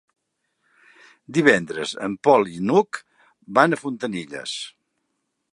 Divendres en Pol i n'Hug van a Fontanilles.